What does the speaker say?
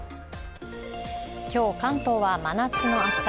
今日、関東は真夏の暑さ。